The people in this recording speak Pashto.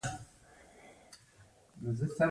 د وینې دوران سیستم اصلي غړی کوم یو دی